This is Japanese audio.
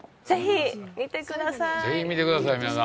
ぜひ見てください。